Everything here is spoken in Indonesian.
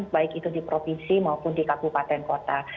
baik itu di provinsi maupun di kabupaten kota